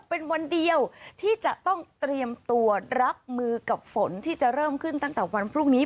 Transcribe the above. เป็นวันเดียวที่จะต้องเตรียมตัวรับมือกับฝนที่จะเริ่มขึ้นตั้งแต่วันพรุ่งนี้